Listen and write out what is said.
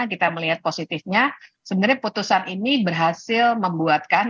kita melihat positifnya sebenarnya putusan ini berhasil membuatkan